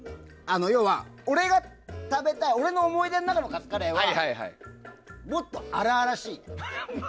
要は俺の思い出の中のカツカレーは、もっと荒々しい。